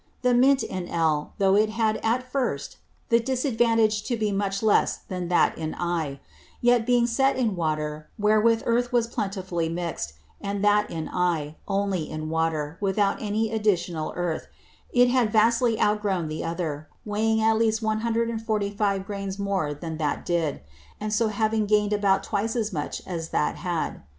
The Mint in L, though it had at first the disadvantage to be much less than that in I; yet being set in Water wherewith Earth was plentifully mix'd, and that in I, only in Water without any such additional Earth, it had vastly outgrown the other, weighing at last 145 Grains more than that did, and so having gain'd about twice as much as that had.